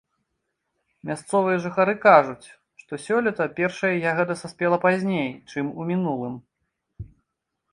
Мясцовыя жыхары кажуць, што сёлета першая ягада саспела пазней, чым у мінулым.